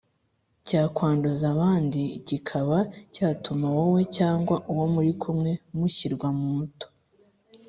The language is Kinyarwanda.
cyakwanduza abandi kikaba cyatuma wowe cyangwa uwo muri kumwe mushyirwa muto